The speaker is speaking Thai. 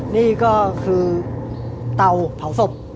นี่ก็คือเตาเผาศพ